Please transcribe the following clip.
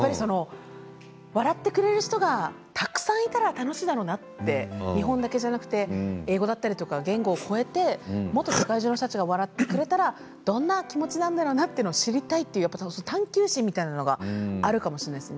笑ってくれる人がたくさんいたら楽しいだろうなって日本だけじゃなくて英語だったり言語を超えてもっと世界中の人たちが笑ってくれたらどんな気持ちなんだろうなと知りたいという探究心みたいなものがあるかもしれないです。